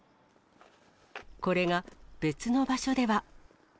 これが別の場所では。